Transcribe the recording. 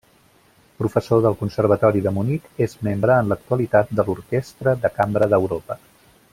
Professor del Conservatori de Munic, és membre en l'actualitat de l'Orquestra de Cambra d'Europa.